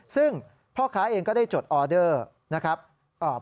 ซึ่งพ่อค้าเองก็ได้จดออเดอร์นะครับ